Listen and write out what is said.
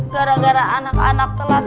gara gara anak anak telat